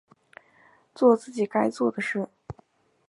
作自己该做的事